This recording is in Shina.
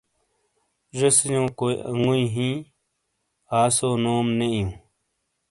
ڙیسیا کا انگویی ہی آسیو نوم نیئو۔